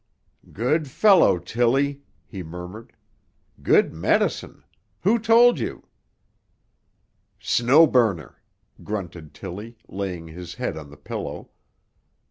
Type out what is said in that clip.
"Good fellow, Tilly," he murmured. "Good medicine. Who told you?" "Snow Burner," grunted Tilly, laying his head on the pillow.